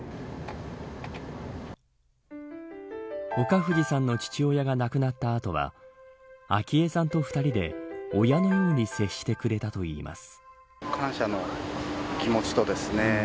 岡藤さんの父親が亡くなった後は昭恵さんと２人で親のように接してくれたといいます。